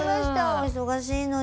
お忙しいのに。